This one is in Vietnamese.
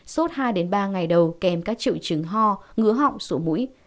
sốt hai ba ngày đầu kèm các triệu chứng ho ngứa họng sổ mũi